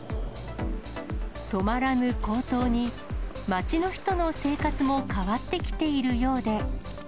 止まらぬ高騰に、街の人の生活も変わってきているようで。